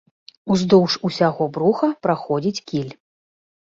Уздоўж усяго бруха праходзіць кіль.